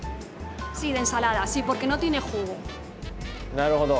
なるほど。